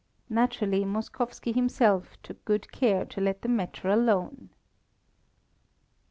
Naturally, Moskowski himself took good care to let the matter alone.